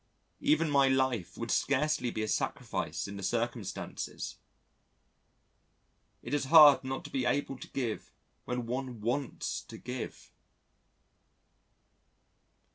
Even my life would scarcely be a sacrifice in the circumstances it is hard not to be able to give when one wants to give.